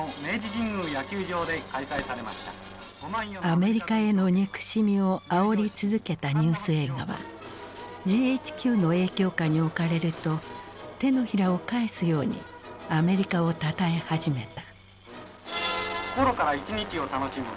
アメリカへの憎しみをあおり続けたニュース映画はＧＨＱの影響下に置かれると手のひらを返すようにアメリカをたたえ始めた。